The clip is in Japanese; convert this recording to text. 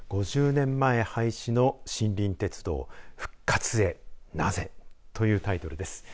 ５０年前廃止の森林鉄道復活へなぜ？というタイトルです。